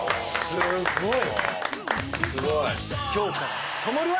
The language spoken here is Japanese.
すごい。